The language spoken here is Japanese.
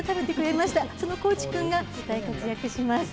「その地君が大活躍します」